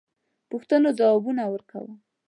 پوښتنو جوابونه ورکړم.